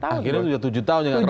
akhirnya tujuh tahun ya kan